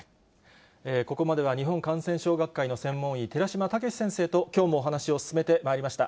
ここまでは日本感染症学会の専門医、寺嶋毅先生ときょうもお話を進めてまいりました。